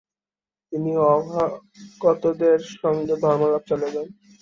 তিনি অভ্যাগতদের সঙ্গে ধর্মালাপ চালিয়ে যান।